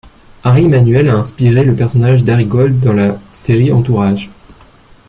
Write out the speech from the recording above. Ari Emanuel a inspiré le personnage d'Ari Gold dans la serie Entourage.